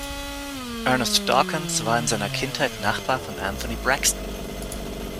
Ernest Dawkins war in seiner Kindheit Nachbar von Anthony Braxton.